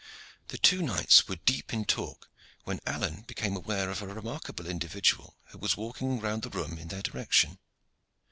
The two knights were deep in talk, when Alleyne became aware of a remarkable individual who was walking round the room in their direction.